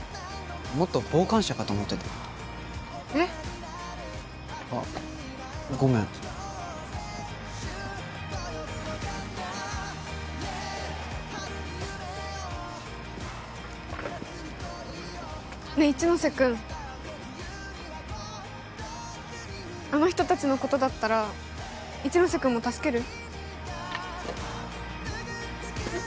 もっと傍観者かと思ってたえっあっごめんねえ一ノ瀬君あの人達のことだったら一ノ瀬君も助ける？